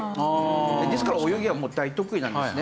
ですから泳ぎは大得意なんですね。